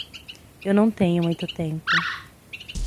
Eu não tenho muito tempo